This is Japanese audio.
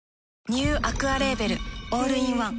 ニューアクアレーベルオールインワン